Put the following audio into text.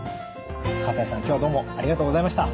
西さん今日はどうもありがとうございました。